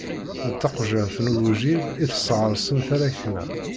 D taqejjirt n ugujil i tesɣersen taṛakna.